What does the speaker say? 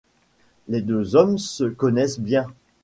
Les deux hommes se connaissent bien.